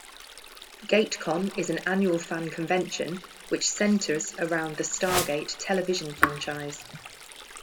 Gatecon is an annual fan convention, which centeres around the "Stargate" television franchise.